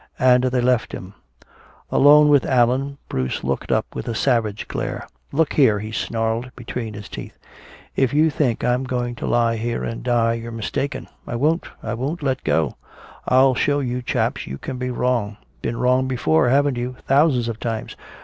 And they left him. Alone with Allan, Bruce looked up with a savage glare. "Look here!" he snarled, between his teeth. "If you think I'm going to lie here and die you're mistaken! I won't! I won't let go! I'll show you chaps you can be wrong! Been wrong before, haven't you, thousands of times!